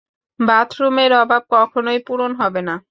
বাথরুমের অভাব কখনোই পূরণ হবে না।